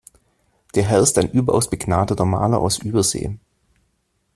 Der Herr ist ein überaus begnadeter Maler aus Übersee.